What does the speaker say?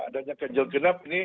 dan yang kenjal genap ini